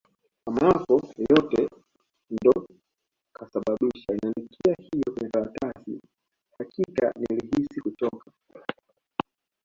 Mama yako yote ndo kasababisha aliniandikia hivo kwenye karatasi hakika nilihisi kuchoka